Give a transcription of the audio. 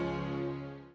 aku akan pergi dulu